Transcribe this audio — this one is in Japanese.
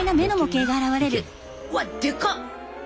うわっ！でかっ！